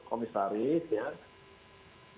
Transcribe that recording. jadi komisaris inilah yang akan